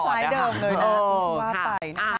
น่าคล้ายเดิมเลยนะครับ